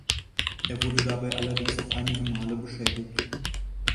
Er wurde dabei allerdings auch einige Male beschädigt.